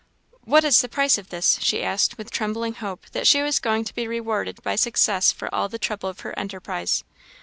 "What is the price of this?" she asked, with trembling hope that she was going to be rewarded by success for all the trouble of her enterprise.